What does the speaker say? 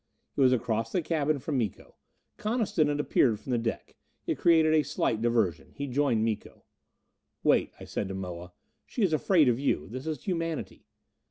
It was across the cabin from Miko. Coniston had appeared from the deck; it created a slight diversion. He joined Miko. "Wait," I said to Moa. "She is afraid of you. This is humanity."